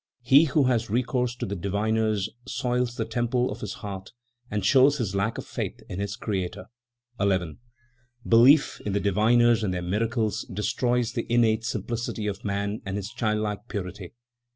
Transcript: He who has recourse to the diviners soils the temple of his heart and shows his lack of faith in his Creator. 11. "Belief in the diviners and their miracles destroys the innate simplicity of man and his childlike purity.